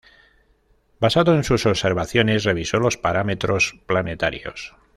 Basado en sus observaciones, revisó los parámetros planetarios.